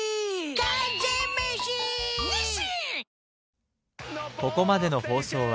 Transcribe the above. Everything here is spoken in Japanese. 完全メシ！ニッシン！